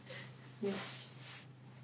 よし。